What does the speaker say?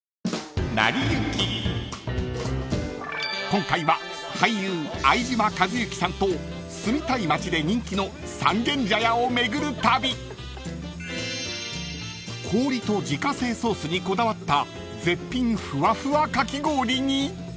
［今回は俳優相島一之さんと住みたい街で人気の三軒茶屋を巡る旅］［氷と自家製ソースにこだわった］